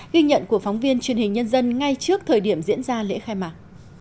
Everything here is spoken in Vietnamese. ghi nhận của phóng viên truyền hình nhân dân ngay trước thời điểm diễn ra lễ khai mạc